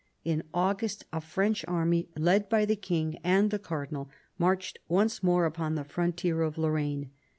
In August a French army, led by the King and the Cardinal, marched once more upon the frontier of Lorraine.